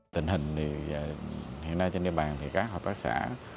tình hình thì hiện nay trên địa bàn thì các hợp tác xã